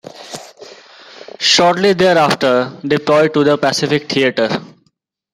Shortly thereafter, deployed to the Pacific Theater.